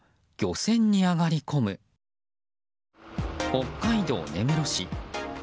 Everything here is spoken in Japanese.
北海道根室市。